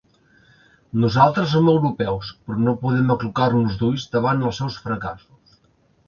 Nosaltres som europeus, però no podem aclucar-nos d’ulls davant els seus fracassos.